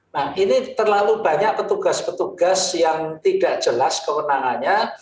nah ini terlalu banyak petugas petugas yang tidak jelas kewenangannya